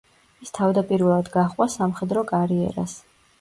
ის თავდაპირველად გაჰყვა სამხედრო კარიერას.